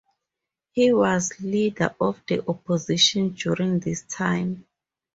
He was Leader of the Opposition during this time.